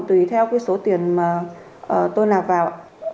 tùy theo cái số tiền mà tôi nạp vào